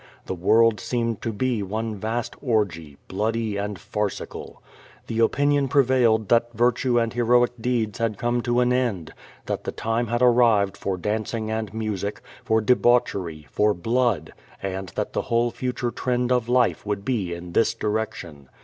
The world seemed to be one vast orgy, bloody, and farckal. The opinion prevailed that virtue and heroic deeds had come to an end, that the time had arrived for dancing and music, for debauchery, for blood, and that the whole fu ture trend of life would be in this direction.